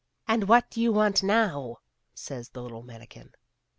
" And what do you want now ?" says the little manikin.